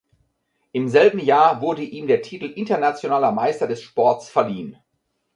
Im selben Jahr wurde ihm der Titel „"Internationaler Meister des Sports"“ verliehen.